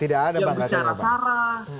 tidak ada yang bicara bicara